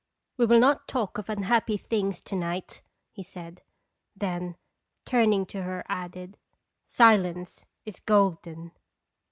"We will not talk of unhappy things to night," he said; then, turning to her, added: " Silence is golden.'"